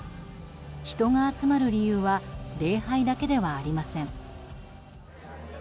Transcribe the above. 人が集まる理由は礼拝だけではありません。